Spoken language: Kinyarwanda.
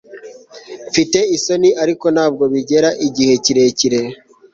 mfite isoni, ariko ntabwo bigera igihe kirekire